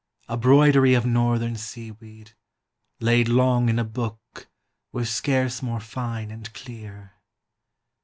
A broidery of northern seaweed, laid Long in a book, were scarce more fine and clear.